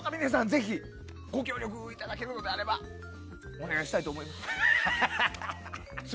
ぜひご協力いただけるのであればお願いしたいと思います。